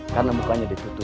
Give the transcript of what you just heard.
karena mukanya ditutup